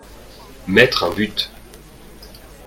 Mettre un but.